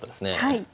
はい。